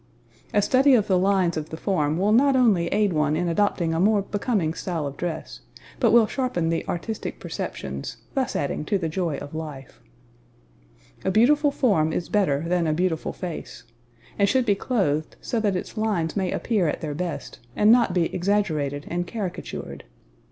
A study of the lines of the form will not only aid one in adopting a more becoming style of dress, but will sharpen the artistic perceptions, thus adding to the joy of life. [Illustration: NO. 44] "A beautiful form is better than a beautiful face" and should be clothed so that its lines may appear at their best, and not be exaggerated and caricatured.